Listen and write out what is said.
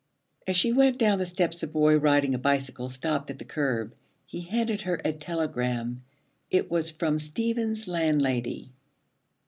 As she went down the steps a boy riding a bicycle stopped at the curb. He handed her a telegram. It was from Stephen's landlady.